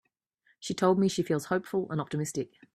She told me she feels hopeful and optimistic.